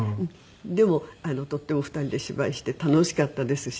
でもとても２人で芝居して楽しかったですし。